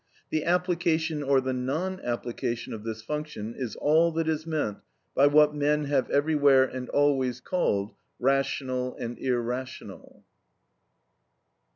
The application or the non application of this function is all that is meant by what men have everywhere and always called rational and irrational.